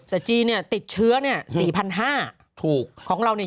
แต่จีนเนี่ยติดเชื้อเนี่ย๔๕๐๐ถูกของเราเนี่ย